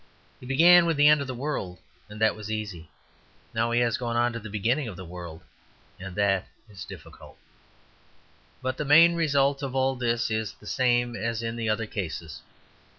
He began with the end of the world, and that was easy. Now he has gone on to the beginning of the world, and that is difficult. But the main result of all this is the same as in the other cases.